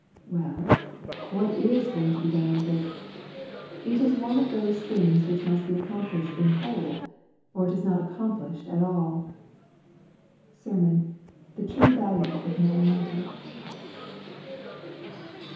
Well, what is going to be done with it? It is one of those things which must be accomplished in whole, or it is not accomplished at all. SERMON: 'The True Value of Morality.'